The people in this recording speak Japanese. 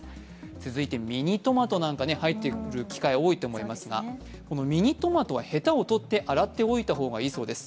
続いてミニトマトなんか入ってくる機会が多いと思いますがこのミニトマトはへたを取って洗っておいた方がいいそうです。